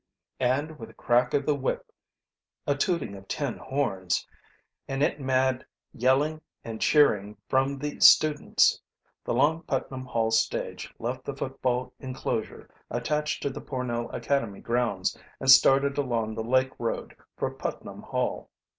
And with a crack of the whip, a tooting of tin horns, and it mad yelling and cheering from the students, the long Putnam Hall stage left the football enclosure attached to the Pornell Academy grounds and started along the lake road for Putnam Hall.